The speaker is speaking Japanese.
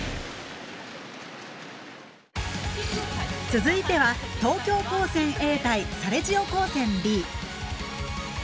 続いては東京高専Ａ対サレジオ高専Ｂ。